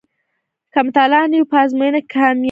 که مطالعه نه وي په ازموینو کې کامیابي هم نشته.